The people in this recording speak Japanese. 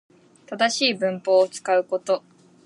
正しい文法を使うこと